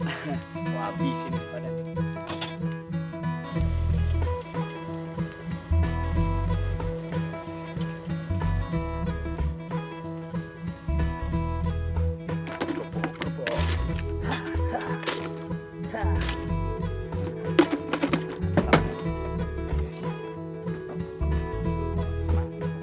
mau habis ini padahal